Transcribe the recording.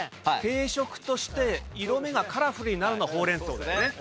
定食として色味がカラフルになるのはほうれん草だよね。